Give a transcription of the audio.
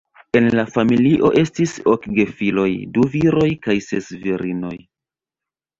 En la familio estis ok gefiloj, du viroj kaj ses virinoj.